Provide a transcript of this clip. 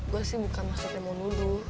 gue sih bukan maksudnya mau nuduh